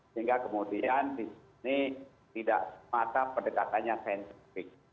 sehingga kemudian di sini tidak semata pendekatannya saintifik